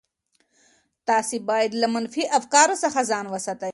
تاسي باید له منفي افکارو څخه ځان وساتئ.